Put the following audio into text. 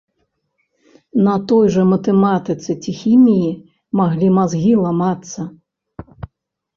На той жа матэматыцы ці хіміі маглі мазгі ламацца.